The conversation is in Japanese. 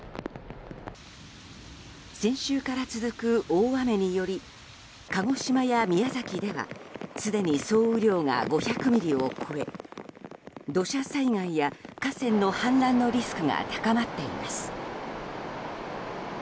先週から続く大雨により鹿児島や宮崎ではすでに総雨量が５００ミリを超え土砂災害や河川の氾濫のリスクが高まっています。